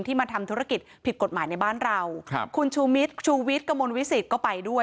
มาทำธุรกิจผิดกฎหมายในบ้านเราครับคุณชูมิตรชูวิทย์กระมวลวิสิตก็ไปด้วย